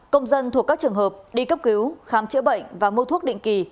công dân thuộc các trường hợp đi cấp cứu khám chữa bệnh và mua thuốc định kỳ